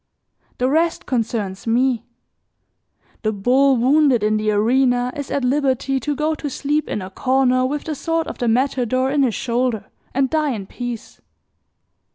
The rest concerns me; the bull wounded in the arena is at liberty to go to sleep in a corner with the sword of the matador in his shoulder, and die in peace.